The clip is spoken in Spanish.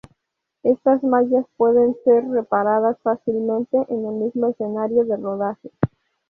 Estas mallas pueden ser reparadas fácilmente en el mismo escenario de rodaje.